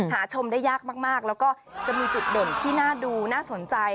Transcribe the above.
ชมได้ยากมากแล้วก็จะมีจุดเด่นที่น่าดูน่าสนใจ